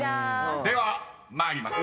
［では参ります。